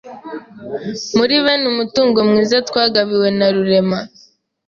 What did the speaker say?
Muri bene umutungo mwiza twagabiwe narurema